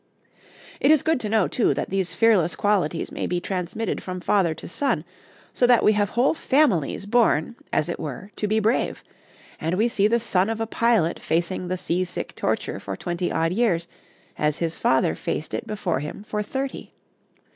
It is good to know, too, that these fearless qualities may be transmitted from father to son, so that we have whole families born, as it were, to be brave, and we see the son of a pilot facing the seasick torture for twenty odd years, as his father faced it before him for thirty.